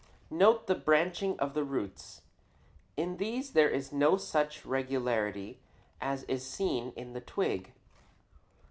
Note the branching of the roots. In these there is no such regularity as is seen in the twig.